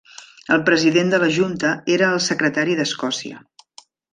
El president de la junta era el Secretari d'Escòcia.